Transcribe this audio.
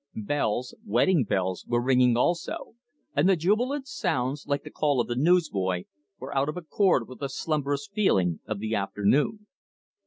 Bells wedding bells were ringing also, and the jubilant sounds, like the call of the newsboy, were out of accord with the slumberous feeling of the afternoon.